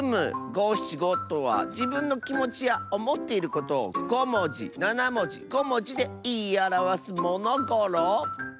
ごしちごとはじぶんのきもちやおもっていることを５もじ７もじ５もじでいいあらわすものゴロ！